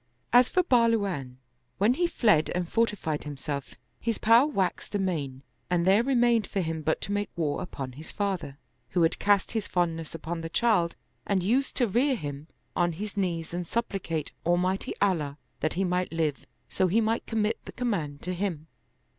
As for Bahluwan, when he fled and fortified himself, his power waxed amain and there remained for him but to make war upon his father, who had cast his fondness upon the child and used to rear him on his knees anc^ supplicate Almighty Allah that he might live, so he might commit the command to him.